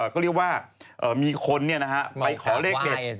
ก็เรียกว่ามีคนไปขอเลขเด็ด